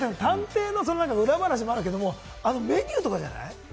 裏話もあるけれども、メニューとかじゃない？